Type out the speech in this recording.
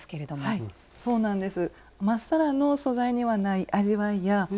はいそうなんです。